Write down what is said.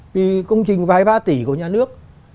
vì công trình vài ba tỷ của nhà nước